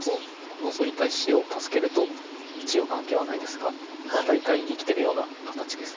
ノゾいた石を助けると一応眼形はないですが大体生きてるような形です。